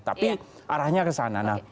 tapi arahnya ke sana